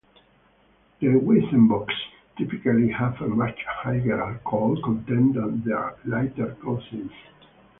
The Weizenbocks typically have a much higher alcohol content than their lighter cousins.